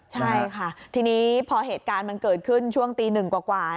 ใช่ค่ะทีนี้พอเหตุการณ์มันเกิดขึ้นช่วงตีหนึ่งกว่า